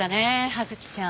葉月ちゃん。